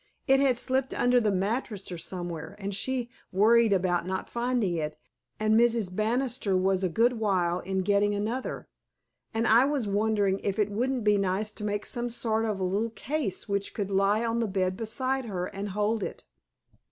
It had slipped under the mattress or somewhere, and she worried about not finding it, and Mrs. Banister was a good while in getting another, and I was wondering if it wouldn't be nice to make some sort of a little case, which could lie on the bed beside her, and hold it."